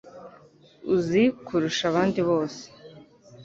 Uzi kurusha abandi bose.